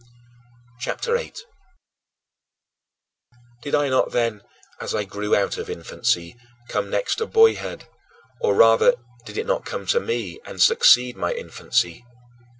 CHAPTER VIII 13. Did I not, then, as I grew out of infancy, come next to boyhood, or rather did it not come to me and succeed my infancy?